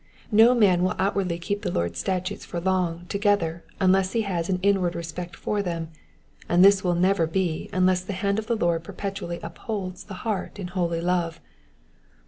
No man will outwardly keep the Lord's statutes for long together unless he has an inward respect for them, and this will never be unless the hand of the Lord perpetually upholds the heart in holy love.